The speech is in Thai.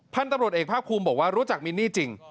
พันธุ์ตำรวจเอกภาคภูมิบอกว่ารู้จักมินนี่จริง